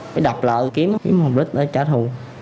mới đập lợi kiếm hồn rít để trả thù